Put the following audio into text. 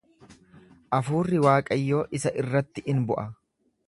Hafuurri Waaqayyoo isa irratti in bu'a.